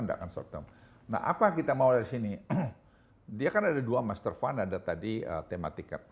tidak akan short term nah apa kita mau dari sini dia kan ada dua master fund ada tadi tema tiket